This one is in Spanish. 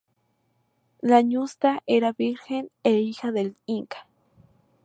La ñusta era virgen e hija del inca.